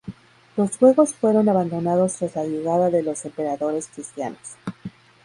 Los juegos fueron abandonados tras la llegada de los emperadores cristianos.